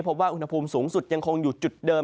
พบว่าอุณหภูมิสูงสุดยังคงอยู่จุดเดิม